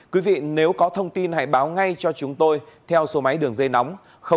quý vị nếu có thông tin hãy báo ngay cho chúng tôi theo số máy đường dây nóng